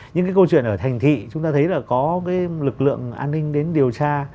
những cái câu chuyện ở thành thị chúng ta thấy là có cái lực lượng an ninh đến điều tra